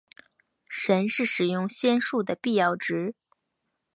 神是使用仙术的必要值。